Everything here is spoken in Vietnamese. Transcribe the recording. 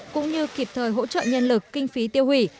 cũng như kịp thời hỗ trợ nhân lực kinh phí tiêu hủy